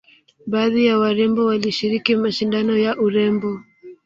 baadhi ya warembo walishiriki mashindano ya urembo